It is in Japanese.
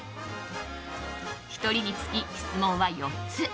１人につき質問は４つ。